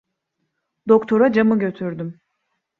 Doktora camı götürdüm.